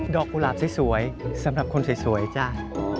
กุหลาบสวยสำหรับคนสวยจ้า